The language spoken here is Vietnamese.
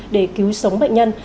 để cứu sống bệnh nhân